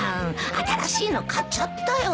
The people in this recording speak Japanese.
新しいの買っちゃったよ。